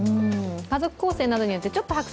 家族構成などによってちょっと白菜